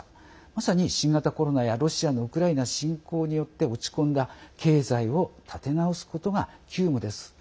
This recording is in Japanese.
まさに新型コロナやロシアのウクライナ侵攻によって落ち込んだ経済を立て直すことが急務です。